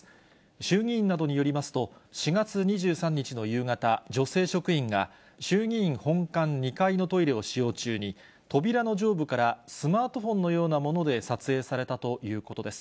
衆議院などによりますと、４月２３日の夕方、女性職員が、衆議院本館２階のトイレを使用中に、扉の上部からスマートフォンのようなもので撮影されたということです。